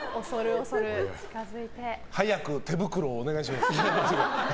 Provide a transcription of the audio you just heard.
早く手袋をお願いします。